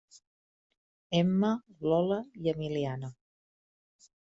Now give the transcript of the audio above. Emma, Lola i Emiliana.